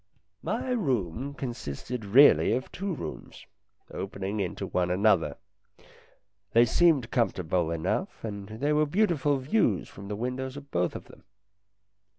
My room consisted really of two rooms, opening into one another. They seemed comfortable enough, and there were beautiful views from the windows of both of them.